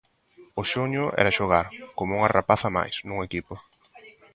O soño era xogar, como unha rapaza máis, nun equipo.